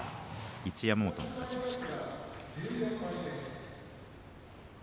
一山本が勝ちました。